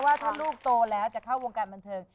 ว่าถ้าลูกโตแล้วจะเข้าวงการบันเทิง